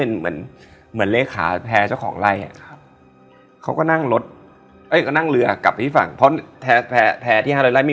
เฮ้ยเขาทักมาก่อนเลยเหรอ